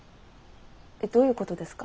どういうことですか？